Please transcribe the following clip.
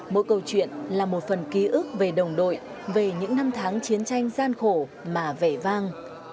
mỗi câu chuyện là một phần ký ức về đồng đội về những năm tháng chiến tranh gian khổ mà vẻ vang